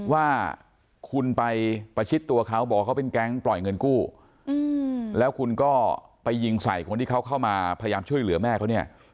ว่าคุณไปประชิดตัวเขาบอกว่าเขาเป็นแก๊งปล่อยเงินกู้แล้วคุณก็ไปยิงใส่คนที่เขาเข้ามาพยายามช่วยเหลือแม่เขาเนี่ย